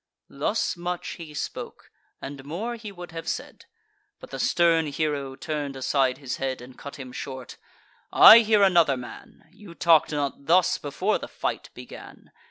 Thus much he spoke, and more he would have said; But the stern hero turn'd aside his head, And cut him short: "I hear another man; You talk'd not thus before the fight began.